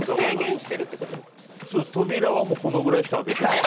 扉はこのぐらいしか狭い！